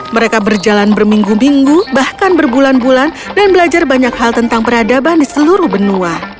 mereka berjalan berminggu minggu bahkan berbulan bulan dan belajar banyak hal tentang peradaban di seluruh benua